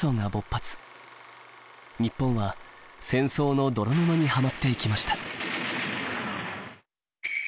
日本は戦争の泥沼にはまっていきました。